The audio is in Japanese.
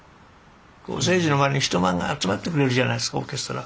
征爾の周りに人が集まってくれるじゃないですかオーケストラ。